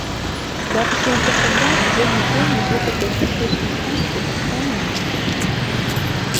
Запісу на тэхагляд дзень у дзень на гэтай дыягнастычнай станцыі таксама няма.